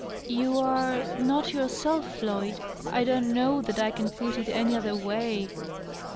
" You are .. ifu>t yourself, Floyd. I don't know that I can put it any other way."